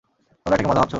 তোমরা এটাকে মজা ভাবছো?